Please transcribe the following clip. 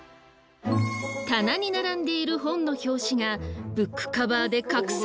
棚に並んでいる本の表紙がブックカバーで隠されています。